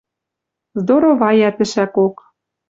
Здоровая тӹшӓкок.